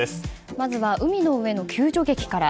まずは海の上の救助劇から。